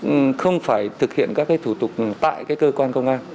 các công dân không phải thực hiện các thủ tục tại cơ quan công an